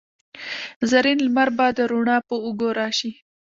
زرین لمر به د روڼا په اوږو راشي